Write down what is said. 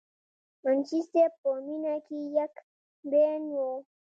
منشي صېب پۀ مينه کښې يک بين وو،